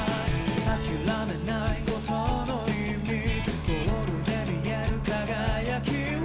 「諦めないことの意味」「ゴールで見える輝きを」